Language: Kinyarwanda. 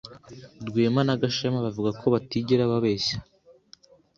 Rwema na Gashema bavuga ko batigera babeshya.